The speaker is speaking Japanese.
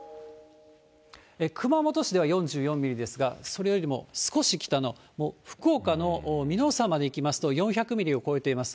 熊本市では４４ミリですが、それよりも少し北の福岡のみのう山までいきますと、４００ミリを超えています。